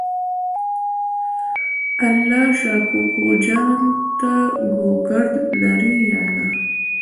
الله شا کوکو جان ته ګوګرد لرې یا نه؟